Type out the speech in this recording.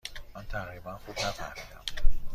من تقریبا خوب نفهمیدم.